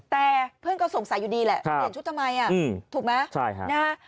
แต่เพื่อนก็สงสัยอยู่ดีแหละเปลี่ยนชุดทำไมถูกไหมนะฮะ